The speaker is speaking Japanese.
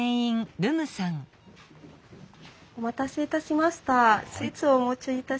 お待たせいたしました。